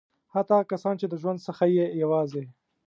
حتی هغه کسان چې د ژوند څخه یې یوازې.